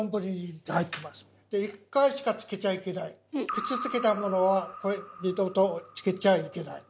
口つけたものは二度とつけちゃいけない。